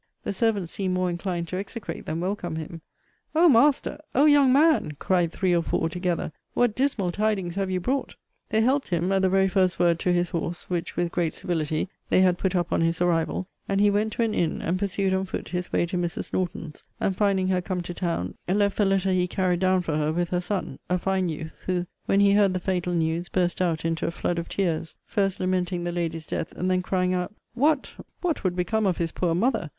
The servants seemed more inclined to execrate than welcome him O master! O young man! cried three or four together, what dismal tidings have you brought? They helped him, at the very first word, to his horse; which, with great civility, they had put up on his arrival; and he went to an inn, and pursued on foot his way to Mrs. Norton's; and finding her come to town, left the letter he carried down for her with her son, (a fine youth,) who, when he heard the fatal news, burst out into a flood of tears first lamenting the lady's death, and then crying out, What what would become of his poor mother!